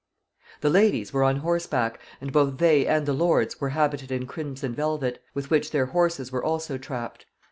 The ladies were on horseback, and both they and the lords were habited in crimson velvet, with which their horses were also trapped.